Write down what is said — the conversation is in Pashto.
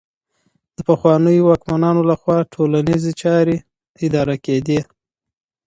د پخوانيو واکمنانو لخوا ټولنيزې چارې اداره کيدې.